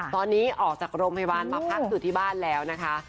ตอนนี้ออกจากโรงพยาบาลมาพักอยู่ที่บ้านแล้วนะคะ